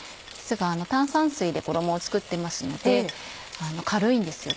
炭酸水で衣を作ってますので軽いんですよ